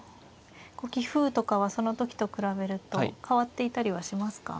棋風とかはその時と比べると変わっていたりはしますか。